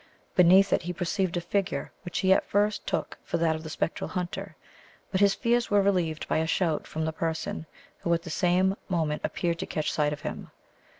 Beneath it he perceived a figure, which he at first took for that of the spectral hunter; but his fears were relieved by a shout from the person, who at the same moment appeared to catch sight of him.